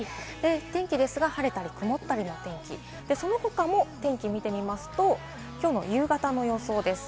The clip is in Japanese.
天気は晴れたり曇ったりの天気、その他も天気見てみますと、きょうの夕方の予想です。